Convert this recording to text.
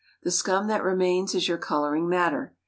The scum that remains is your coloring matter.